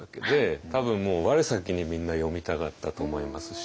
多分もう我先にみんな読みたがったと思いますし。